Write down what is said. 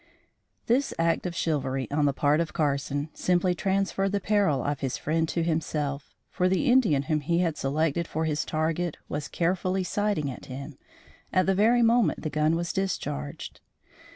This act of chivalry on the part of Carson simply transferred the peril of his friend to himself, for the Indian whom he had selected for his target was carefully sighting at him, at the very moment the gun was discharged.